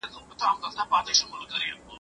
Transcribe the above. ماسک اغوستل د ناروغۍ مخه نیسي.